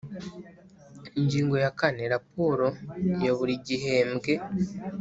Ingingo ya kane Raporo ya buri gihembwe